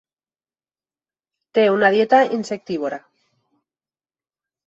Té una dieta insectívora.